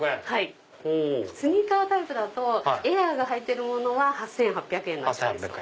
スニーカータイプだとエアが入ってるものは８８００円になっちゃうんですよ。